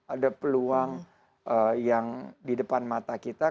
ada peluang yang di depan mata kita